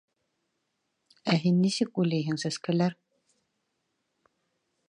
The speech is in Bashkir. Ә һин нисек уйлайһың, сәскәләр...